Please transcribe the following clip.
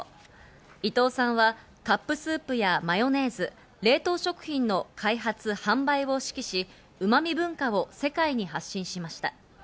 伊藤さんはカップスープやマヨネーズ、冷凍食品の開発・販売を指揮し、うま味文化を世界に発信しました。